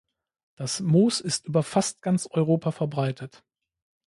Das Moos ist über fast ganz Europa verbreitet.